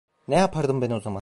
Ne yapardım ben o zaman?